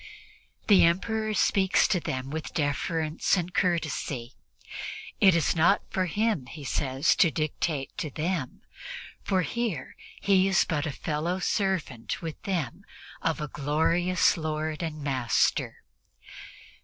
The Emperor speaks to them with deference and courtesy. It is not for him, he says, to dictate to them, for here he is but fellow servant with them of a glorious Lord and Master.